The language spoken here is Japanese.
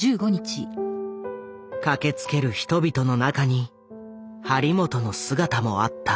駆けつける人々の中に張本の姿もあった。